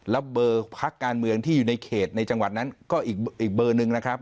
แล้วเบอร์พักการเมืองที่อยู่ในเขตในจังหวัดนั้นก็อีกเบอร์หนึ่งนะครับ